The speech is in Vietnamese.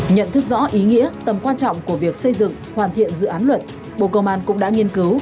nhận thức rõ ý nghĩa tầm quan trọng của việc xây dựng hoàn thiện dự án luật bộ công an cũng đã nghiên cứu